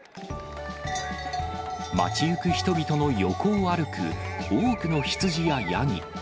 街行く人々の横を歩く多くのヒツジやヤギ。